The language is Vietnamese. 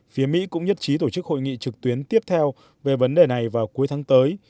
phía mỹ cũng nhất trí tổ chức hội nghị trực tuyến tiếp theo về vấn đề này vào cuối tháng tới